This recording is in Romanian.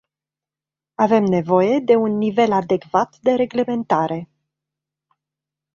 Avem nevoie de un nivel adecvat de reglementare.